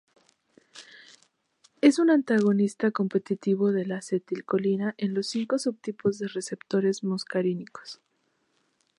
Es un antagonista competitivo de la acetilcolina en los cinco subtipos de receptores muscarínicos.